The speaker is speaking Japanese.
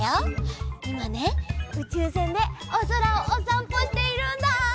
いまねうちゅうせんでおそらをおさんぽしているんだ！